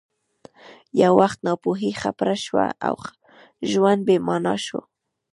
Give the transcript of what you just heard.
یو وخت ناپوهي خپره شوه او ژوند بې مانا شو